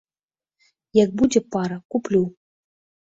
Як будзе пара, куплю.